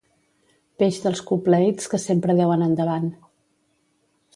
Peix dels clupeids que sempre deu anar endavant.